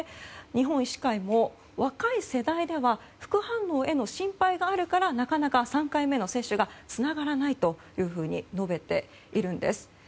日本医師会も、若い世代では副反応への心配があるからなかなか３回目の接種につながらないというふうに述べているんです。